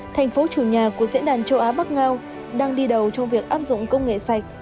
thành phố chủ nhà của diễn đàn châu á bắc ngao đang đi đầu trong việc áp dụng công nghệ sạch